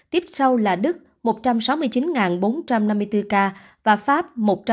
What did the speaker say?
tiếp sau là đức một trăm sáu mươi chín bốn trăm năm mươi bốn ca và pháp một trăm bốn mươi tám